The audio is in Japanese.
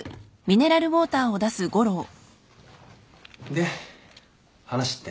で話って？